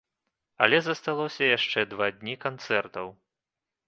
Але засталося яшчэ два дні канцэртаў!